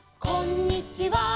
「こんにちは」